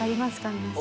皆さん。